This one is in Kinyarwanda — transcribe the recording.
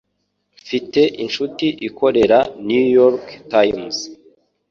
Mfite inshuti ikorera New York Times.